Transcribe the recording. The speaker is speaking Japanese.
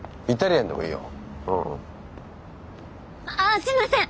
あすいません。